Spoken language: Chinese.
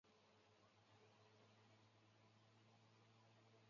该往世书中关于时母的部分即著名的大战的故事。